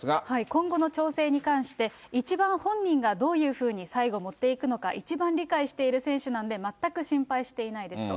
今後の調整に関して、一番本人が、どういうふうに最後、もっていくのか、一番理解している選手なんで全く心配していないですと。